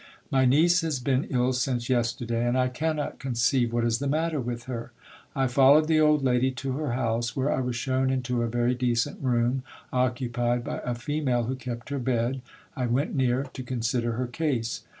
My niece has been ill since yesterday, and I cannot conceive what is the matter with her. I followed the old lady to her house, where I was shown into a very decent room, occupied by a female who kept her bed. I went near, to consider her case.